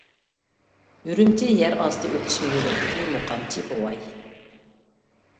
ئۈرۈمچى يەر ئاستى ئۆتۈشمە يولىدىكى مۇقامچى بوۋاي.